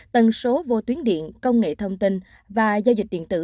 tần số vô tuyến điện công nghệ thông tin và giao dịch điện tử